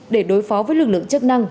để đối phó với lực lượng chức năng